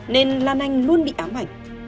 nên lan anh luôn bị ám ảnh